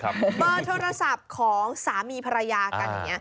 เบอร์โทรศัพท์ของสามีภรรยากัน